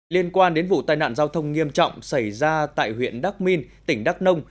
liên quan đến vụ tai nạn giao thông nghiêm trọng xảy ra tại huyện đắc minh tỉnh đắk nông